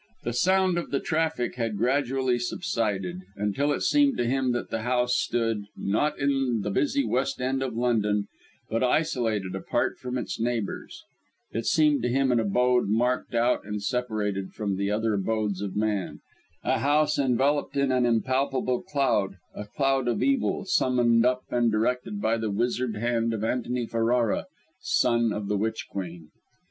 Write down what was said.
The sound of the traffic had gradually subsided, until it seemed to him that the house stood, not in the busy West End of London, but isolated, apart from its neighbours; it seemed to him an abode, marked out and separated from the other abodes of man, a house enveloped in an impalpable cloud, a cloud of evil, summoned up and directed by the wizard hand of Antony Ferrara, son of the Witch Queen.